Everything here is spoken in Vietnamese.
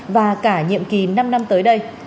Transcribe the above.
và cả nhiệm kỳ năm năm tới đây